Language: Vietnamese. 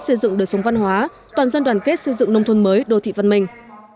xây dựng đời sống văn hóa toàn dân đoàn kết xây dựng nông thôn mới đô thị văn minh